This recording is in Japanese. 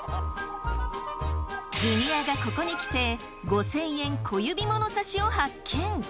ジュニアがここにきて５，０００円小指ものさしを発見。